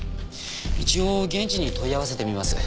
一応現地に問い合わせてみます。